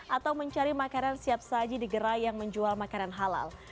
atau mencari makanan siap saji di gerai yang menjual makanan halal